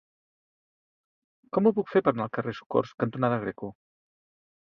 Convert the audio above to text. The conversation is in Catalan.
Com ho puc fer per anar al carrer Socors cantonada Greco?